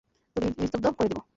তোকে নিস্তব্ধ করে দিব।